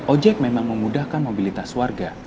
ojek memang memudahkan mobilitas warga